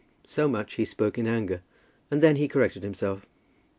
So much he spoke in anger, and then he corrected himself.